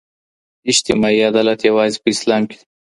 اجتماعي عدالت یوازې په اسلام کي دی.